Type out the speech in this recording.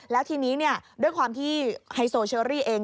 แล้วทีนี้ด้วยความที่ไฮโซเชอรี่เอง